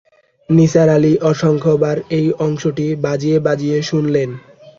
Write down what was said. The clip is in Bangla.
নিসার আলি অসংখ্যাবার এই অংশটি বাজিয়ে-বাজিয়ে শুনলেন।